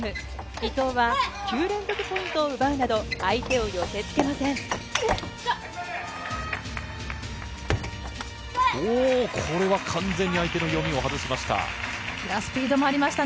伊藤は９連続ポイントを奪うなど、おー、これは完全に相手の読みを外しました。